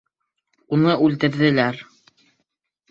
Уны үлтерҙеләр.